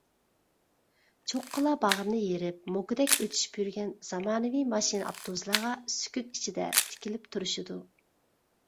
چوققىلار باغرىنى يېرىپ، موكىدەك ئۆتۈشۈپ يۈرگەن زامانىۋى ماشىنا-ئاپتوبۇسلارغا سۈكۈت ئىچىدە تىكىلىپ تۇرۇشىدۇ.